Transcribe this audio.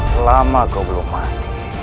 selama kau belum mati